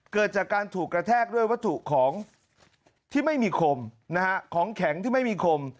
เกิดจากการถูกกระแทกด้วยวัตถุของที่ไม่มีคมนะฮะของแข็งที่ไม่มีคม